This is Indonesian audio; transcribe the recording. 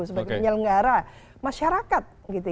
sebagai penyelenggara masyarakat